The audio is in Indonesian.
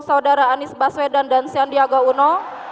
saudara anies baswedan dan sandiaga uno